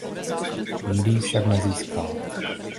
Nikdy ji však nezískal.